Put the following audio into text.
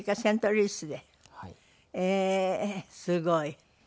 ええーすごい。